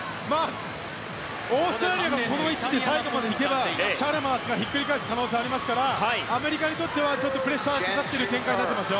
オーストラリアがこの位置で最後まで行けばチャルマースがひっくり返す可能性がありますからアメリカにとってはプレッシャーがかかってる展開ですよ。